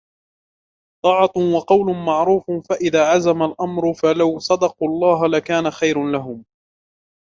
طَاعَةٌ وَقَوْلٌ مَعْرُوفٌ فَإِذَا عَزَمَ الْأَمْرُ فَلَوْ صَدَقُوا اللَّهَ لَكَانَ خَيْرًا لَهُمْ